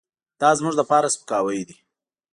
دازموږ لپاره سپکاوی دی .